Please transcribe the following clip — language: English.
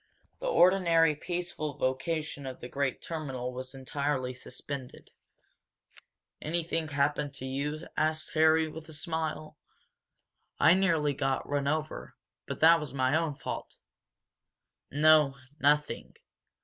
The ordinary peaceful vocation of the great terminal was entirely suspended. "Anything happen to you?" asked Harry with a smile. "I nearly got run over but that was my own fault." "No, nothing.